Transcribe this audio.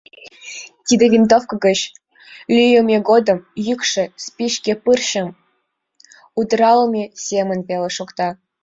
Тиде винтовко гыч лӱйымӧ годым йӱкшӧ спичке пырчым удыралме семын веле шокта.